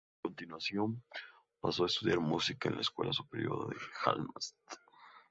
A continuación, pasó a estudiar música en la escuela superior de Halmstad.